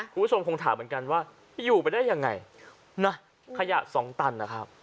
คุณผู้ชมคงถามเหมือนกันว่าอยู่ไปได้ยังไงนะขยะสองตันนะครับ